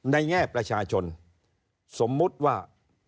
แง่ประชาชนสมมุติว่า